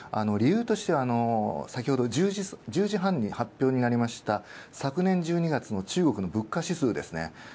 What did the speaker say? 理由として、先ほど１０時半に発表になった、昨年１２月の中国の物価指数ですね。